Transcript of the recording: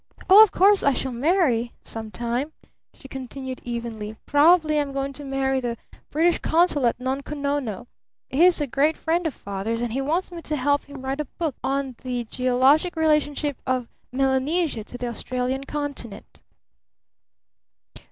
Oh, of course, I shall marry some time," she continued evenly. "Probably I'm going to marry the British consul at Nunko Nono. He's a great friend of Father's and he wants me to help him write a book on 'The Geologic Relationship of Melanesia to the Australian Continent'!"